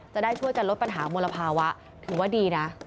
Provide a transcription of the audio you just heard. จะได้ช่วยกันลดปัญหามลภาวะถือว่าดีนะ